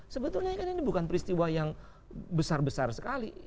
sebetulnya kan ini bukan peristiwa yang besar besar sekali